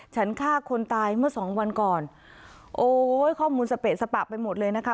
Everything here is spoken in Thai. ฆ่าคนตายเมื่อสองวันก่อนโอ้ยข้อมูลสเปะสปะไปหมดเลยนะคะ